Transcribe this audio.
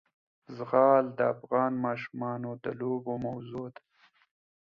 زغال د افغان ماشومانو د لوبو موضوع ده.